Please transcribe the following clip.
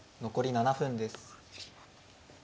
残り７分です。